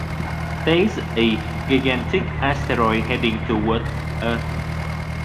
There is a gigantic asteroid heading towards Earth.